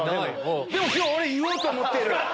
でも俺今日言おうと思ってる。